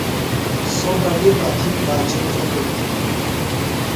سوۡ بڈیۡ بہ تھی باچئی ختُم تھی۔